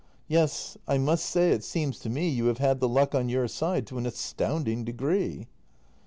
Yes, I must say it seems to me you have had the luck on your side to an astounding degree.